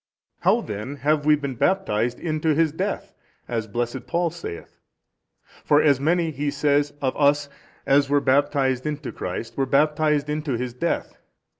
A. How then have we been baptized into His Death as blessed Paul saith? for as many (he says) of us as were baptized into Christ were baptized into His death.